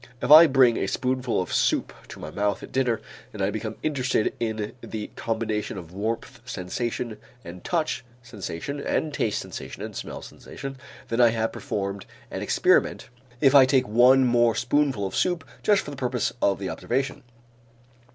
If I bring a spoonful of soup to my mouth at dinner and I become interested in the combination of warmth sensation and touch sensation and taste sensation and smell sensation, then I have performed an experiment if I take one more spoonful of soup just for the purpose of the observation.